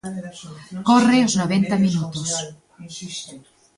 Corre os noventa minutos.